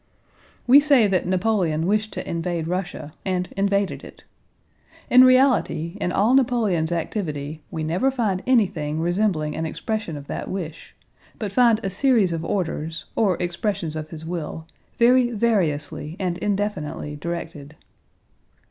We say that Napoleon wished to invade Russia and invaded it. In reality in all Napoleon's activity we never find anything resembling an expression of that wish, but find a series of orders, or expressions of his will, very variously and indefinitely directed.